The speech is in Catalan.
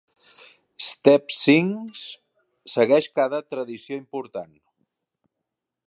Step Sings segueix cada tradició important.